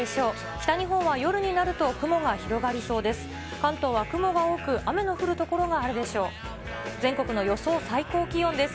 北日本は夜になると、雲が広がりそうです。